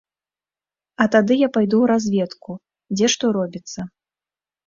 А тады я пайду ў разведку, дзе што робіцца.